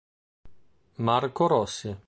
Marco Rossi